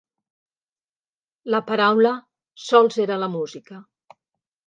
La paraula sols era la musica.